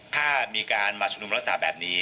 ถ้ามีการมาชุมนุมรัฐศาสตร์แบบนี้